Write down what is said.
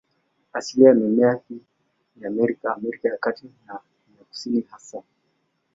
Asilia ya mimea hii ni Amerika, Amerika ya Kati na ya Kusini hasa.